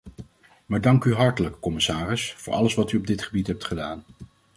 Maar dank u hartelijk, commissaris, voor alles wat u op dit gebied hebt gedaan.